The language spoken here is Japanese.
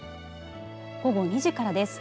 午後２時からです。